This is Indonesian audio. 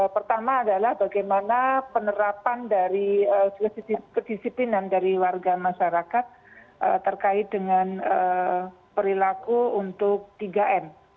pertama adalah bagaimana penerapan dari kedisiplinan dari warga masyarakat terkait dengan perilaku untuk tiga m